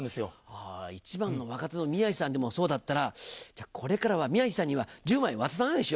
あ一番の若手の宮治さんでもそうだったらこれからは宮治さんには１０枚渡さないようにしよう。